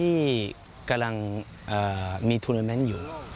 ที่กำลังมีทุนาเมนต์อยู่